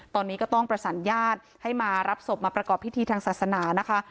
ตอนนี้ก็ต้องประสานญาติให้มารับศพมาประกอบพิธีทางศาสนานะคะ